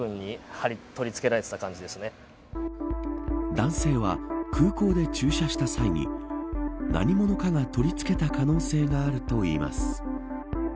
男性は空港で駐車した際に何者かが取り付けた可能性があるといいます。